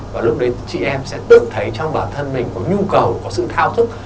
và lúc đấy chị em sẽ tự thấy trong bản thân mình có nhu cầu có sự thao thức